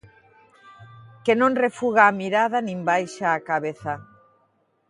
Que non refuga a mirada nin baixa a cabeza.